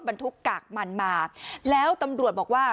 บรรทุกกากมันมาแล้วตำรวจบอกว่า